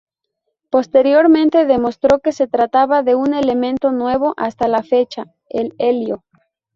Posteriormente demostró que se trataba de un elemento nuevo hasta la fecha: el helio.